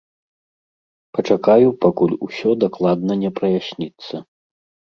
Пачакаю, пакуль усё дакладна не праясніцца.